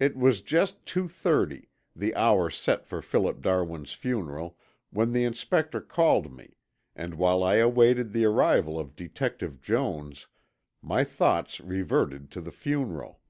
It was just two thirty, the hour set for Philip Darwin's funeral, when the Inspector called me and while I awaited the arrival of Detective Jones my thoughts reverted to the funeral.